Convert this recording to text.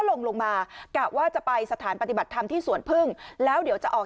ลงลงมากะว่าจะไปสถานปฏิบัติธรรมที่สวนพึ่งแล้วเดี๋ยวจะออก